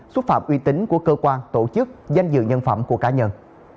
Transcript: xúc phạm uy tín của cơ quan tổ chức danh dự nhân phẩm của cá nhân